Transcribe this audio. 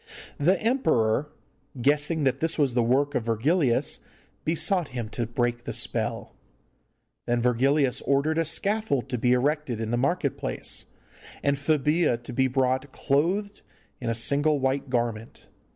The emperor, guessing that this was the work of Virgilius, besought him to break the spell. Then Virgilius ordered a scaffold to be erected in the market place, and Febilla to be brought clothed in a single white garment.